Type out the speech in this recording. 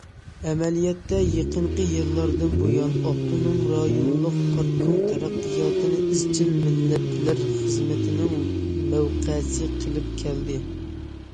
ئەمەلىيەتتە، يېقىنقى يىللاردىن بۇيان، ئاپتونوم رايونلۇق پارتكوم تەرەققىياتنى ئىزچىل مىللەتلەر خىزمىتىنىڭ مەۋقەسى قىلىپ كەلدى.